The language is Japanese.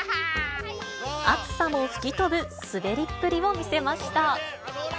暑さも吹き飛ぶ滑りっぷりを見せました。